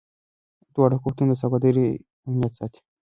دواړه حکومتونه د سوداګرو امنیت ساتي.